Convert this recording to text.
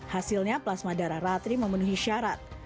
hasilnya plasma darah ratri memenuhi syarat